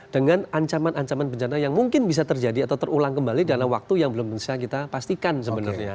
dengan ancaman ancaman bencana yang mungkin bisa terjadi atau terulang kembali dalam waktu yang belum bisa kita pastikan sebenarnya